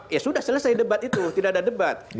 ya sudah selesai debat itu tidak ada debat